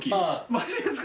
マジですか？